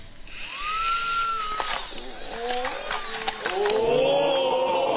お！